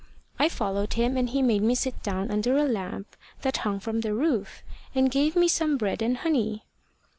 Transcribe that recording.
I followed him, and he made me sit down under a lamp that hung from the roof, and gave me some bread and honey.